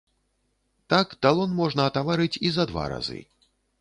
Так талон можна атаварыць і за два разы.